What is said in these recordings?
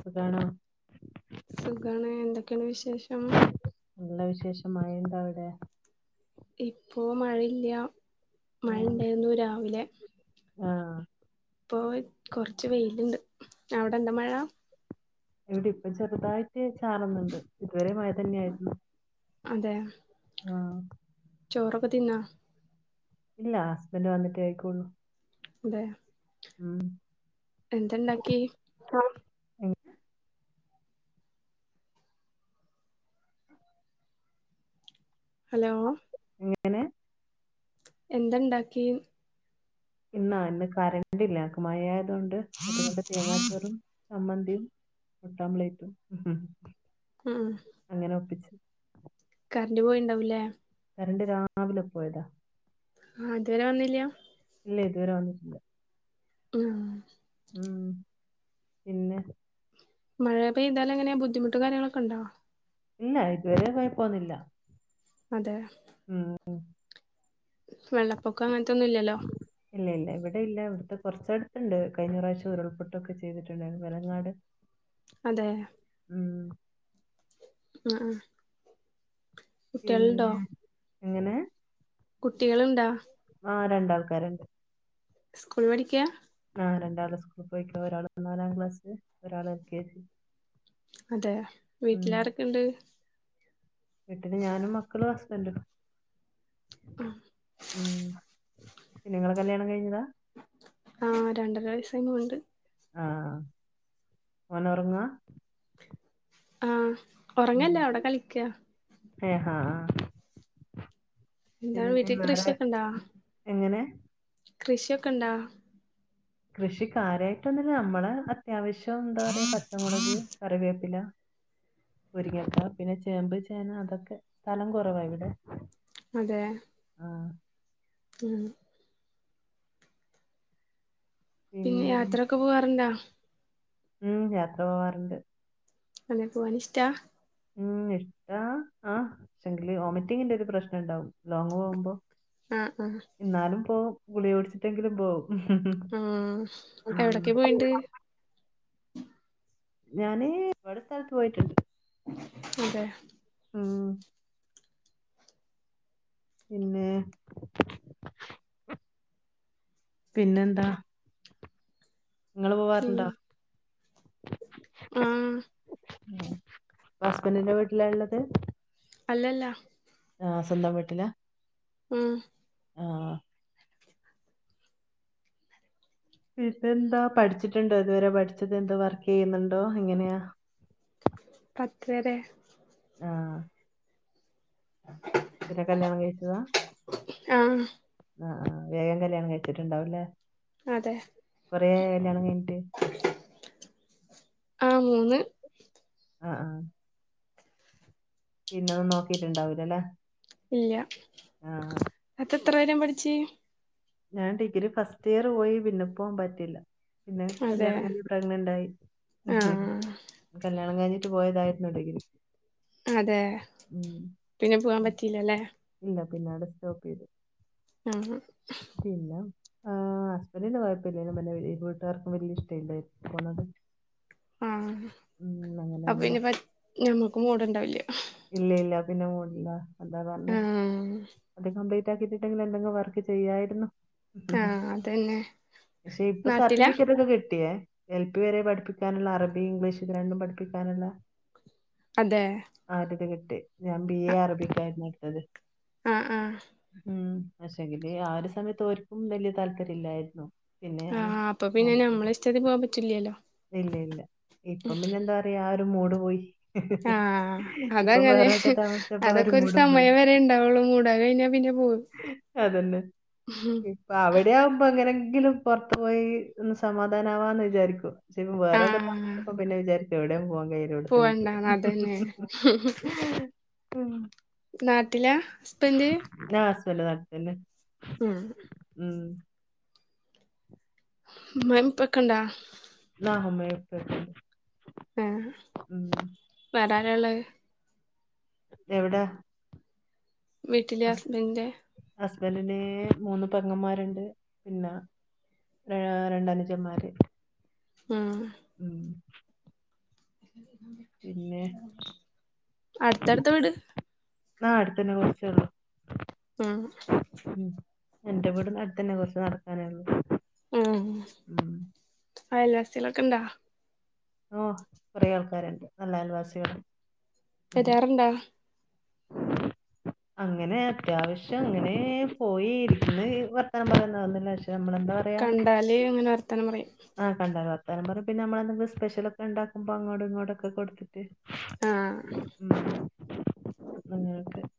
സുഖാണോ സുഖാണ് എന്തൊക്കെയുണ്ട് വിശേഷം നല്ല വിശേഷം മഴ ഉണ്ടോ അവിടെ ഇപ്പോ മഴയില്ല മഴ ആഹ് ഇണ്ടായിരുന്നു രാവിലെ ആഹ് ഇപ്പോയ്‌ കൊറച്ച് വെയില്ണ്ട് അവടെണ്ടോ മഴാ എവിടെ ഇപ്പ ചെറുതായിട്ട് ചാറുന്നുണ്ട് ഇതുവരെ മഴ തന്നെ ആയിരുന്നു അതെ ആഹ് ചോറൊക്കെ തിന്നോ ഇല്ല ഹസ്ബന്റ് വന്നിട്ടെ കയിക്കൊള്ളൂ അതെ ഉം എന്ത ഉണ്ടാക്കിയെ ആഹ് ഹലോ എങ്ങനേണ് എന്താ ഇണ്ടാക്കി ഇന്നാ ഇന്ന് കരണ്ടില്ലങ്ങക്ക് മഴ ആയതുകൊണ്ട് അതുകൊണ്ട് തേങ്ങാചോറും ചമ്മന്തിയും മുട്ടാമ്പ്ലേറ്റും ഉം അങ്ങനെ ഒപ്പിച്ചു കറണ്ട് പോയിണ്ടാവും ല്ലെ കറണ്ട് രാവിലെ പോയതാ ആ ഇതുവരെ വന്നില്ല ഇല്ലേ ഇതുവരെ വന്നിട്ടില്ല ഉം ഉം പിന്നെ മഴ പെയ്താൽ എങ്ങനെ ബുദ്ധിമുട്ടും കാര്യങ്ങളൊക്കെ ഉണ്ടോ? ഇല്ല ഇതുവരെ കോയപ്പോന്നില്ല അതെ ഉം വെള്ളപ്പൊക്കം അങ്ങൻത്തൊന്നും ഇല്ലല്ലോ ഇല്ല ഇല്ല ഇവിടെ ഇല്ല ഇവടട്ത്ത് കൊർച്ചട്ത്ത്ണ്ട് കഴിഞ്ഞറാശ്യം ഉരുൾപൊട്ടൊക്കെ ചെയ്തിട്ടുണ്ടായിരുന്നു വെലങ്ങാട് അതെ ഉം ആഹ് ആഹ് കുട്യൾണ്ടോ എങ്ങനെ കുട്ടികള്ണ്ടാ ആഹ് രണ്ടാൾക്കാര്ണ്ട് സ്കൂൾ പഠിക്യാ ആ രണ്ടാള് സ്കൂള് പൊയ്ക്ക ഒരാള് നാലാം ക്ലാസ് ഒരാള് എൽ കെ ജി അതെ വീട്ടിലാരെക്കെണ്ട് വീട്ടല് ഞാനും മക്കളും ഹസ്ബൻ്റും ഉം ഉം പിന്നെ ഇങ്ങളെ കല്യാണം കഴിഞ്ഞതാ ആ രണ്ടര വയസ്സായി ണ്ട് ആഹ് ഓനൊറങ്ങാ ആഹ് ഉം ഒറങ്ങല്ലാ അവിടെ കളിക്കാ ഏ ഹാ ആ എന്താണ് പിന്നെ വീട്ടിൽ വേറെ കൃഷിയൊക്കെ ഇണ്ടാ എങ്ങനെ കൃഷിയൊക്കെ ഇണ്ടോ കൃഷികാര്യായിട്ടൊന്നുല്ല നമ്മളെ അത്യാവശ്യം എന്താ പറ്യാ പച്ചമുളക്, കറിവേപ്പില മുരിങ്ങക്ക പിന്നെ ചേമ്പ്, ചേന അതൊക്കെ സ്ഥലം കൊറവാ ഇവിടെ അതെ ആ, ഉം പിന്നെ യാത്രൊക്കെ പോവാറ്ണ്ടാ ഉം യാത്ര പോവാറ്ണ്ട് അതെ പോവാനിഷ്ടാ ഉം ഇഷ്ടാ ആ പക്ഷെങ്കില് വൊമിറ്റിങ്ങിന്റെ ഒരു പ്രശ്നണ്ടാവും ലോങ്ങ് പോകുമ്പോ ആഹ് ആഹ് ഇന്നാലും പോവും ഗുളി കുടിച്ചിട്ടെങ്കിലും പോവും ആഹ് എവിടൊക്കെ പോയിണ്ട് ഞാന് ഇവടെ സ്ഥലത്ത് പോയിട്ട്ണ്ട് അതെ ഉം പിന്നെ പിന്നെന്താ ഇങ്ങള് പി പോവാറ്ണ്ടോ ആഹ് ഇപ്പ ഹസ്ബന്റ്ൻ്റെ വീട്ടിലാള്ളത് അല്ലല്ല ആഹ് സ്വന്തം വീട്ട്ലാ ഉം ആഹ് പിന്നെന്താ പഠിച്ചിട്ട്ണ്ടോ ഏതുവരെ പഠിച്ചത് എന്താ വർക്കെയ്യുന്നുണ്ടോ എങ്ങനെയാ പത്ത് വരെ ആഹ് [inaudible] പിന്നെ കല്യാണം കഴിച്ചതാ ആഹ് ആഹ് ആഹ് വേഗം കല്യാണം കഴിച്ചിട്ടുണ്ടാവൂലേ അതെ കുറേയോ ല്യാണം കഴിഞ്ഞിട്ട്? ആഹ് മൂന്ന് ആഹ് ആ.. പിന്നൊന്നും നോക്കിയിട്ടുണ്ടാവില്ലല്ലെ? ഇല്ല അപ്പ എത്ര വരേം പഠിച്ച്? ഞാൻ ഡിഗ്രി ഫസ്റ്റ് ഇയർ പോയി പിന്നെ പോവാൻ പറ്റിയില്ല. പിന്നെ അതെ കല്യാണം കഴിഞ്ഞ് പ്രഗ്നന്റ് ആയി. ആഹ് കല്യാണം കഴിഞ്ഞിട്ട് പോയതായിരുന്നു ഡിഗ്രി അതെ ഉം. പിന്നെ പോവാൻ പറ്റില്ലല്ലേ? ഇല്ല പിന്നേ ആടെ സ്റ്റോപ്പെയ്തു. ഉംഹ് പിന്നേ? ആഹ് ഹസ്ബന്റിന് കുഴപ്പല്ലെനി നമ വീട്ടുകാർക്കും വലിയ ഇഷ്ടല്ലയിനി പോണത്. ആഹ് ഉം, അങ്ങനെ അപ്പ പിന്നെ പ ഞമ്മക്ക് മൂട് ഇണ്ടാവില്ല്യാ. ഇല്ല ഇല്ല പിന്നെ മൂടില്ല എന്താ പറഞ്ഞേ ആഹ് ന്ത ക്കേണ്ട് പ്പക്കിട്ടിട്ടെങ്കിൽ എന്തെങ്കും വർക്ക് ചെയ്യായിരുന്നു. ഉം ആഹ് അതന്നെ ക്ഷെ ഇപ്പൊ നാട്ടിലാ സർട്ടിഫിക്കറ്റ് ഒക്കെ കിട്ടിയേ. എൽ പി വരെ പഠിപ്പിക്കാനുള്ള അറബി ഇംഗ്ലീഷ് ഇത് രണ്ടും പഠിപ്പിക്കാനുള്ള അതേ ആഹ് ഒരിത് കിട്ടി ഞാൻ ബി എ അറബിക്കായിരുന്നു എടുത്തത്. ആഹ് ആഹ് ഉം ക്ഷെങ്കില് ആ ഒരു സമയത്ത് ഓര്ക്കും വലിയ താല്പര്യം ഇല്ലായിരുന്നു. പിന്നെ ഞാൻ ആഹ് അപ്പൊ പിന്നെ നോക്കി ഞമ്മളെ ഇഷ്ടത്തിന് പോകൻ പറ്റൂലല്ലോ? ഇല്ല ഇല്ല ഇപ്പം പിന്നെ എന്താ പറയാ ആ ഒരു മൂഡ് പോയി. ആഹ് ഇപ്പം അതങ്ങനെ വേറെ ഒക്കെ താമസിച്ചപ്പോ ആ അതൊക്കെ ഒരു മൂഡും പോയി സമയം വരെ ഉണ്ടാവുള്ളൂ മൂഡ് അത് കഴിഞ്ഞ പിന്നെ പോയി അതന്നെ. [unintelligible] ഇപ്പൊ അവിടെയാവുമ്പോ എങ്ങനെങ്കിലും പുറത്തു പോയി ഒന്ന് സമാധാനമാവാന്ന് വിചാരിക്കും. പക്ഷെപ്പ വേറൊക്കെ ആഹ് താമസിച്ചപ്പോ പിന്നെ വിചാരിക്കു എവിടെയും പോവാൻ കയ്യില്ല ഇവിടെന്ന ഇരിക്ക. പോവണ്ട അതന്നെ നാട്ടിലാ ഹസ്ബന്റ്? ന്റ ഹസ്ബൻഡ് കൊഴ്പ്പ ല്ല ഉംഹ് ഉം ഉമ്മയും ഉപ്പയും ക്കെണ്ടോ? ന്നാ മ് മ്മയും ഉപ്പയും ഒക്കെണ്ട്. ആഹ് വേറാരാ ള്ളേ? എവിടെ? വീട്ടില ഹസ്ബന്റെ. ഹസ്ബന്റിന് മൂന്നു പെങ്ങന്മാരു ണ്ട് പിന്നെ. വേയ രണ്ട് അനുജൻമാര് ഉം ഉം [unintelligible] പിന്നേ? അടുത്തടുത്ത വീട് ആഹ് അടുത്തന്നെ കുറച്ചേള്ളൂ. ഉം ഉം എന്റെ വീടിനടുത്തന്നെ കൊറച്ച് നടക്കാനേ ഉള്ളൂ. ഉം ഉം അയൽവാസികളൊക്കെ ഇണ്ടോ? ഓഹ് കൊറേ ആൾക്കാരുണ്ട് നല്ല അയൽവാസികള്. വരാറുണ്ടാ അങ്ങനെ അത്യാവശ്യം അങ്ങനെ പോയി ഇരിക്കുന്നു വർത്തനം പറന്നുന്നില്ല പക്ഷെ നമ്മളെന്താ പറയ കണ്ടാലേ അങ്ങനെ വർത്താനം പറയായും ആഹ് കണ്ടാല് വർത്താനം പറയും പിന്നെ നമ്മളെ സ്പെഷലൊക്കെ ഉണ്ടാക്കുമ്പോ അങ്ങോട്ടു ഇങ്ങോട്ടൊക്കെ കൊടുത്തിട്ട് ആഹ് ഉം [unintelligible]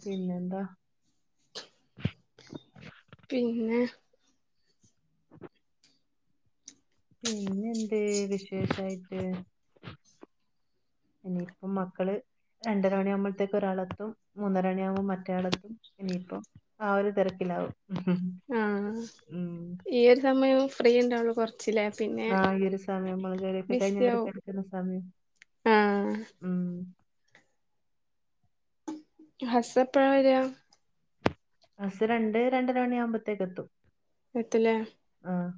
പിന്നെ എന്താ പിന്നെ [inaudible] പിന്നെ എന്ത് വിശേഷായിട്ട് പിന്നെ ഇപ്പം മക്കള് രണ്ടര മണിയാകുമ്പോഴത്തേക്ക് ഒരാളത്തും മൂന്നര മണി ആകുമ്പോ മറ്റരാളത്തും ഇനിയിപ്പോ ആഹ് ഒരു തിരക്കിലാവും ആഹ് ഉം ഈ ഒരു സമയം ഫ്രീ ഉണ്ടാവുള്ളു കുറച്ചിലെ പിന്നെ ആഹ് ഈ ഒരു സമയം മുളകലിയൊക്കെ കഴിഞ്ഞ് ബിസി അവർ ആവും കെടക്കുന്ന സമയം ആഹ് ഉം ഹസ്സ് എപ്പഴാ വരാ? ഹസ് രണ്ട് രണ്ടര മണിയ ആവുമ്പഴത്തേക്ക് എത്തും എത്തില്ലേ ആഹ്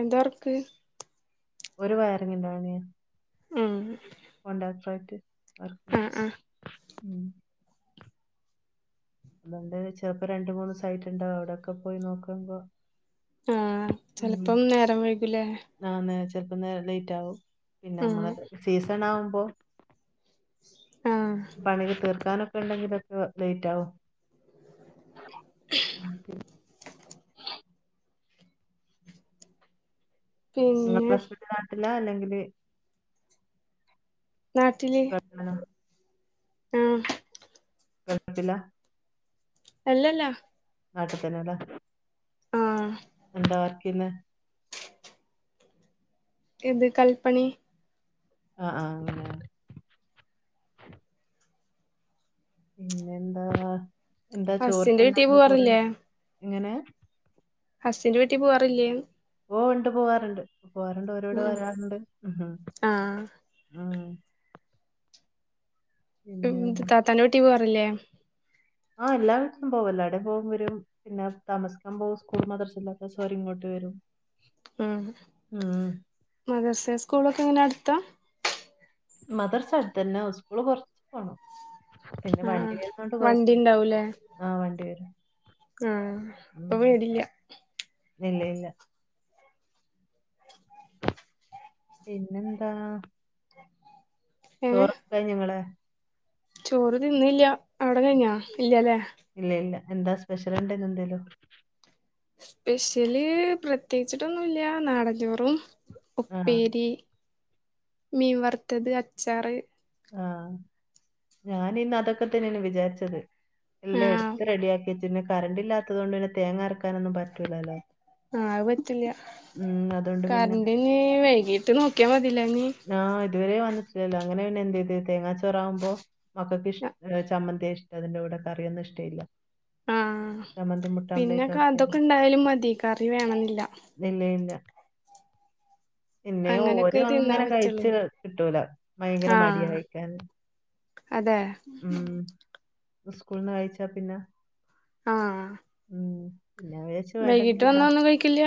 എന്താ വർക്ക് ഓരു വയറിങ്ങിൻ്റെ പണിയാണ് ഉം കൊണ്ടാത്രായിട്ട് വർക്ക് ആഹ് ആഹ് ഉം അതുകൊണ്ട് ചെറപ്പോ രണ്ട് മൂന്ന് സൈറ്റ് ഉണ്ടാവും അവിടെക്കെ പോയി നോക്കുമ്പോ ആഹ് ചെലപ്പം നേരം വൈയ്കൂലേ ആന്നേ ചെൽപ്പം നേരം ലേറ്റ് ആകും പിന്നെ ഉം മ്മളെ സീസൺ ആകുമ്പോ ആഹ് പണി തീർക്കാനൊക്കെ ഉണ്ടെങ്കിലൊക്കെ ലേറ്റ് ആകും നിങ്ങളുടെ പിന്നെ ഹസ്ബൻ്റ് നാട്ടില അല്ലെങ്കില് നാട്ടില് [unintelligible] ആഹ്. ഗൾഫിലാ അല്ലല്ലാ നാട്ടത്തന്നല്ലാ ആഹ് എന്താ വർക്കിന്ന് ഇത് കൽപ്പണി. ആഹ് ആഹ് പിന്നെ എന്താ എന്താ ചോറിന് ഹസ്സിന്റെ വീട്ടി എന്താ ചോറ് പോവാറില്ലേ എങ്ങനെ ഹസ്സിന്റ് വീട്ടിൽ പോവാറില്ലേ ഓ ഉണ്ട് പോവാറുണ്ട് പോവാറുണ്ട് ഓര് ഇവ്ടെ ഉം വരാറുണ്ട് ഹും ആഹ് ആ പിന്നെ താത്താന്റെ കുട്ടി പോവാറില്ലേ ആഹ് എല്ലാവർക്കും പോവല്ലോ എവിടെ പോകും വരും പിന്നെ താമസിക്കാൻ പോകും സ്കൂൾ മദർച്ചല്ലാത്ത സ്വര് ഇങ്ങോട്ട് വരും ഉം ഉം മദർസെ സ്കൂളൊക്കെ എങ്ങനെ അടുത്ത മദർസ് അടുത്ത് തന്നെ സ്കൂള് കുറച്ച് പോണം പിന്നെ വണ്ടി ആഹ് വരുന്നണ്ട് വണ്ടി കുഴപ്പല്ല ഉണ്ടാവൂലേ ആ വണ്ടി വരും ആഹ് അപ്പൊ ഉം പേടില്ല ഇല്ല ഇല്ല പിന്നെന്താ ഏഹ് ചോറക്ക കയിഞ്ഞോ ങ്ങളെ ചോറ് തിന്നില്ല അവിടെ കഴിഞ്ഞാ ഇല്ലല്ലേ ഇല്ല ഇല്ല എന്താ സ്പെഷ്യലുണ്ടിന്നെന്തേലും സ്പെഷ്യല് പ്രത്യേകിച്ചിട്ടൊന്നുല്ല്യാ നാടൻചോറും ആ ഉപ്പേരി മീൻ വറുത്തത് അച്ചാറ് ആഹ് ഞാനിന്ന് അതൊക്കെ തന്നെയാണ് വിചാരിച്ചത് എല്ലാം ആഹ് എടുത്ത് റെഡിയ ആക്കി വെച്ച് പിന്നെ കറണ്ട് ഇല്ലാത്തതു കൊണ്ട് പിന്നെ തേങ്ങ അരക്കാനൊന്നും പറ്റൂലല്ലോ ആ പറ്റില്ല്യാ ഉം അതുകൊണ്ട് പിന്നെ കറണ്ട്നീ വൈകീട്ട് നോക്കിയാ മതീല്ലേനീ ആഹ് ഇതുവരേ വന്നിട്ടില്ലല്ലോ അങ്ങനെ പിന്നെ എന്തുയ്ത് തേങ്ങാച്ചോറാവുമ്പോ മക്കക്കിഷ് ചമ്മന്തിയാ ഇഷ്ടം അതിന്റെ കൂടെക്കറിയൊന്നുഷ്ടയില്ല ആഹ് പിന്നെ ഒക്കെ കാതൊക്കെ ഇണ്ടായാലും മതി കറി വേണംന്നില്ല ഇല്ലയില്ല പിന്നെ അങ്ങനൊക്കെ ഓരു തിന്നാൻ അങ്ങനെ പറ്റുള്ളൂ കയ്ച് കിട്ടൂല ഭയങ്കര മടിയാ കയ്ക്കാൻ അതേ ഉം സ്കൂൾന്ന് കഴിച്ചാ പിന്നെ ആഹ് ഉം പിന്നെ വേച്ച് വൈകീട്ട് വേട്ടക്കിലാ വന്നാ ഒന്നും കഴിക്കില്ല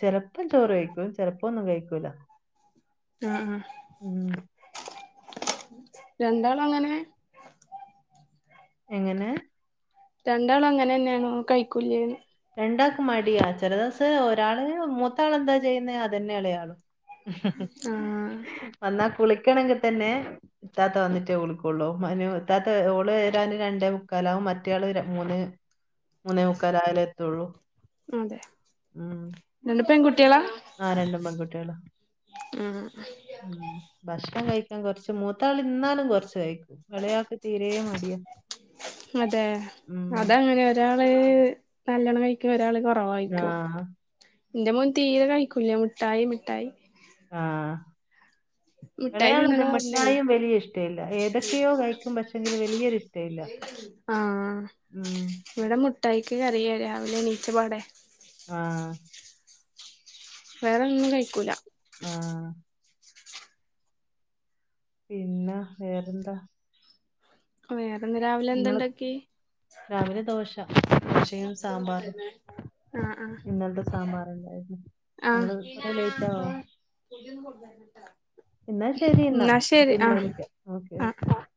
ചെലപ്പം ചോറ് കയ്ക്കും ചെലപ്പോ ഒന്നും കഴിക്കൂല ആഹ് ആഹ് ഉം രണ്ടാളുഅങ്ങനെ എങ്ങനേ രണ്ടാളും അങ്ങനെ തന്നെയാണോ കൈക്കൂല്യേ രണ്ടാക്കും മടിയാ ചെല ദോസ് ഒരാള് മൂത്താളെന്താ ചെയ്യുന്നെ അതന്നെ എളേയാളും ആഹ് വന്നാ കുളിക്കണെങ്കിത്തന്നെ ഇത്താത്ത വന്നിട്ടേ ഉളിക്കൊള്ളൂ മനു ഇത്താത്ത ഓള് വരാന് രണ്ടേമുക്കാലാവും മറ്റേയാള് മൂന്ന് മൂന്നേമുക്കാലായാലെ എത്തുഒള്ളൂ അതെ രണ്ട് പെങ്കുകുട്ടികളാ ആഹ് രണ്ടും പെങ്കുട്ടികളാ ആഹ് ഊം ഭക്ഷണം കയ്ക്കാൻ കൊറച്ച് മൂത്താള് ഇന്നാലും കൊറച്ച് കയ്ക്കും എളേആക്ക് തീരേ മടിയാ അതെ ഊം അതങ്ങനെ ഒരാള് നല്ലോണം കയ്ക്കും ഒരാള് കൊറവായ്ക്കും ആഹ് ൻ്റെമോൻ തീരെ കയ്ക്കൂല്ല മുട്ടായി മിഠായി ആഹ് മിഠായി തിന്നണ എളേയാളും കാരണേ മിഠായും വെലിയ ഇഷ്ടവില്ല ഏതൊക്കെയോ കയ്ക്കും പക്ഷേങ്കില് വലിയൊരു ഇഷ്ടവില്ല ആഹ് ഉം ഇവിടെ മുട്ടായിക്ക് കരയ്യാ രാവിലെ എണീറ്റപാടെ ആഹ് വേറൊന്നും കഴിക്കൂല ആഹ് പിന്നാ വേറെന്താ വേറൊന്ന് രാവിലെ നിങ്ങള് എന്ത്ണ്ടാക്കി രാവിലെ ദോശ ദോശയും സാമ്പാറും ആഹ് ആഹ് ഇന്നൽത്തെ സാമ്പാറൊണ്ടായിരുന്നു നിങ്ങള് കൊറേ ലേറ്റാവോ പുതിയത് കൊണ്ടരണട്ടോ എന്നാ ശരി എന്നാ പിന്നെ വിളിക്കാം ഓകെഓ ആഹ്